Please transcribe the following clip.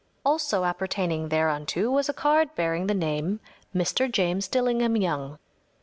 Also appertaining thereunto was a card bearing the name “Mr. James Dillingham Young.